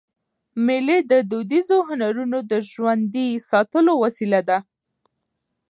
مېلې د دودیزو هنرونو د ژوندي ساتلو وسیله ده.